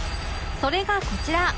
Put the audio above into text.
それがこちら